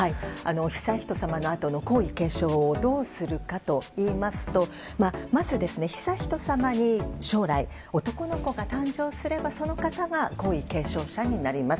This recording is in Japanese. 悠仁さまのあとの皇位継承をどうするかといいますとまず悠仁さまに将来、男の子が誕生すればその方が皇位継承者になります。